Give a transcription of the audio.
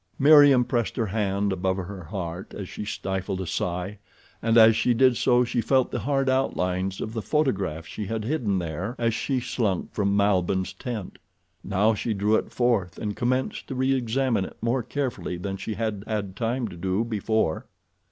Meriem pressed her hand above her heart as she stifled a sigh, and as she did so she felt the hard outlines of the photograph she had hidden there as she slunk from Malbihn's tent. Now she drew it forth and commenced to re examine it more carefully than she had had time to do before.